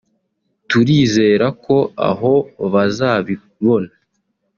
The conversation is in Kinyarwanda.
turizera ko aho bazabibona